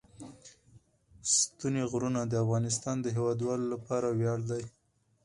ستوني غرونه د افغانستان د هیوادوالو لپاره ویاړ دی.